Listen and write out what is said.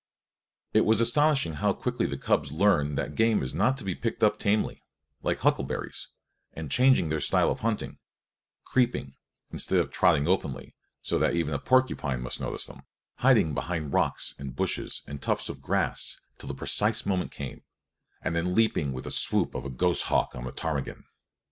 It was astonishing how quickly the cubs learned that game is not to be picked up tamely, like huckleberries, and changed their style of hunting, creeping, instead of trotting openly so that even a porcupine must notice them, hiding behind rocks and bushes and tufts of grass till the precise moment came, and then leaping with the swoop of a goshawk on a ptarmigan.